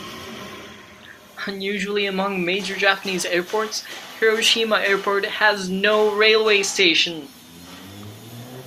Unusually among major Japanese airports, Hiroshima Airport has no railway station.